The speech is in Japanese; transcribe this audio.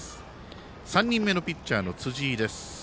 ３人目のピッチャーの辻井です。